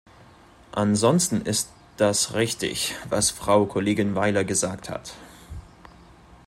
Ansonsten ist das richtig, was Frau Kollegin Weiler gesagt hat.